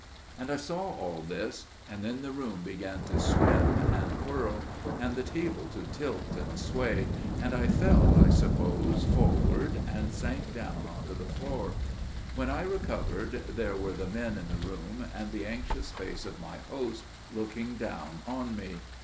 "And I saw all this; and then the room began to swim and whirl, and the table to tilt and sway, and I fell, I suppose, forward, and sank down on to the floor. When I recovered there were the men in the room, and the anxious face of my host looking down on me.